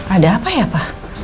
ada apa ya pa